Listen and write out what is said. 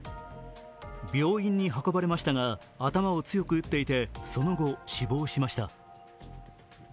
病院に運ばれましたが頭を強く打っていてその後、死亡しました。